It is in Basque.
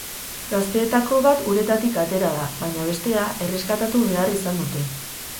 Gazteetako bat uretatik atera da, baina bestea erreskatatu behar izan dute.